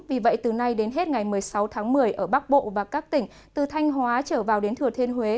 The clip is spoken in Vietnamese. vì vậy từ nay đến hết ngày một mươi sáu tháng một mươi ở bắc bộ và các tỉnh từ thanh hóa trở vào đến thừa thiên huế